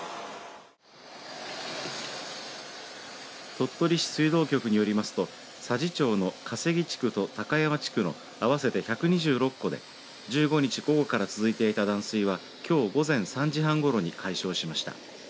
鳥取市水道局によりますと佐治町の加瀬木地区と高山地区の合わせて１２６戸で１５日午後から続いていた断水はきょう午前３時半ごろに解消しました。